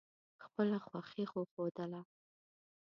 خپله خوښي وښودله.